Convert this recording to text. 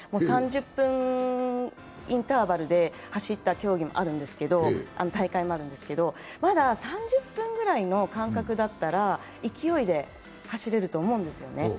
３０分インターバルで走った大会もあるんですけどまだ３０分ぐらいの間隔だったら勢いで走れると思うんですよね。